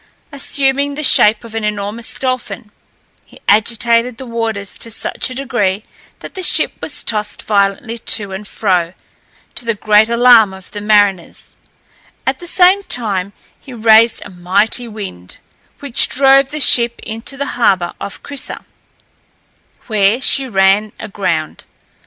Assuming the shape of an enormous dolphin, he agitated the waters to such a degree, that the ship was tossed violently to and fro, to the great alarm of the mariners; at the same time he raised a mighty wind, which drove the ship into the harbour of Crissa, where she ran aground.